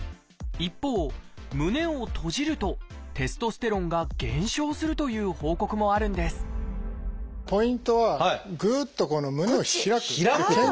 一方胸を閉じるとテストステロンが減少するという報告もあるんですポイントはグッと胸を開く。